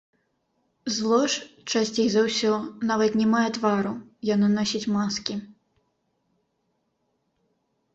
Зло ж, часцей за ўсё, нават не мае твару, яно носіць маскі.